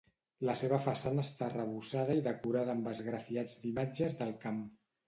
La seva façana està arrebossada i decorada amb esgrafiats d'imatges del camp.